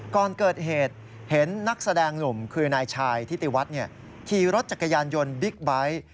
ก่อนเกิดเหตุเห็นนักแสดงหนุ่มคือนายชายทิติวัฒน์ขี่รถจักรยานยนต์บิ๊กไบท์